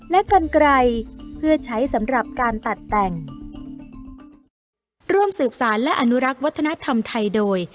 และกันไกลเพื่อใช้สำหรับการตัดแต่งร่วมสืบสารและอนุรักษ์วัฒนธรรมไทยโดย